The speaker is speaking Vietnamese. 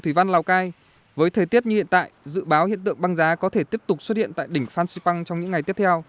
thủy văn lào cai với thời tiết như hiện tại dự báo hiện tượng băng giá có thể tiếp tục xuất hiện tại đỉnh phan xipang trong những ngày tiếp theo